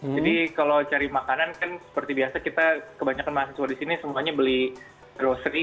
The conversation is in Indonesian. jadi kalau cari makanan kan seperti biasa kita kebanyakan mahasiswa di sini semuanya beli grocery